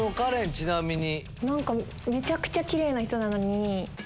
ちなみに。